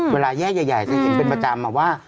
เวลาแยกใหญ่จะเห็นเป็นประจำว่า